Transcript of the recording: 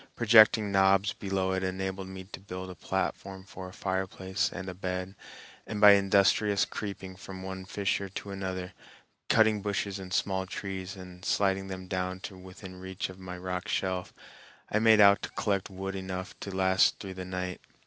Projecting knobs below it enabled me to build a platform for a fireplace and a bed, and by industrious creeping from one fissure to another, cutting bushes and small trees and sliding them down to within reach of my rock shelf, I made out to collect wood enough to last through the night.